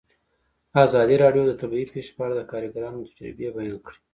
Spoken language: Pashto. ازادي راډیو د طبیعي پېښې په اړه د کارګرانو تجربې بیان کړي.